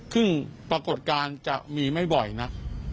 ซึ่งปรากฏการณ์จะมีไม่บ่อยนัก